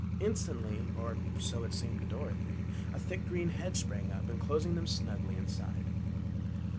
Instantly, or so it seemed to Dorothy, a thick green hedge sprang up, enclosing them snugly inside.